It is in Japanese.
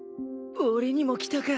俺にも来たか